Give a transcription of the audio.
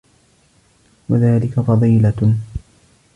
وَذَلِكَ فَضِيلَةٌ